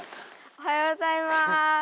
おはようございます。